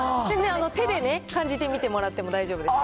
手で感じてみてもらっても大丈夫です。